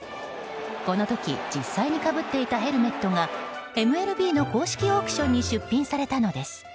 この時、実際にかぶっていたヘルメットがＭＬＢの公式オークションに出品されたのです。